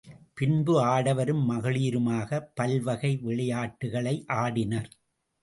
பின்பு ஆடவரும் மகளிருமாகப் பல்வகை விளையாட்டுக்களை ஆடினர்.